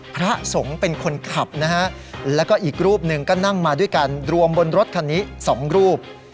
พระสงฆ์เป็นคนขับนะฮะแล้วก็อีกรูปหนึ่งก็นั่งมาด้วยกันรวมบนรถคันนี้๒รูป